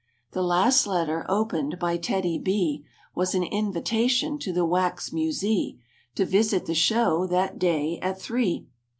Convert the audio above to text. The last letter opened by TEDDY—B Was an invitation to the Wax Musee, To visit the show that day at three.